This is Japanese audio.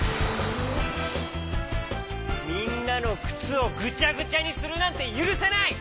みんなのくつをぐちゃぐちゃにするなんてゆるせない！